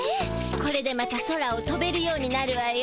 これでまた空を飛べるようになるわよ。